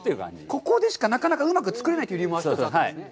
ここでしかなかなかうまく作れないという理由もあったんですね。